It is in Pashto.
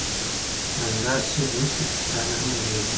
همداسې لوستي پښتانه هم ډېر دي.